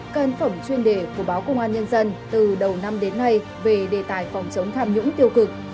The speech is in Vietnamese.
căn phẩm chuyên đề của báo công an nhân dân từ đầu năm đến nay về đề tài phòng chống tham nhũng tiêu cực